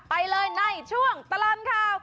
ไปเลยในช่วงตลอดข่าว